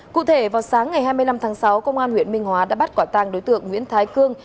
cụ thể vào sáng ngày hai mươi năm tháng sáu công an huyện minh hóa đã bắt quả tàng đối tượng nguyễn thái cương